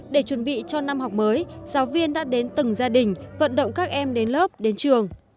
để chuẩn bị cho năm học mới giáo viên đã đến từng gia đình vận động các em đến lớp đến trường